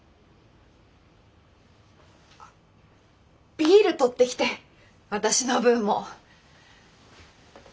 ビール取ってきて私の分も。